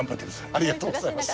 ありがとうございます。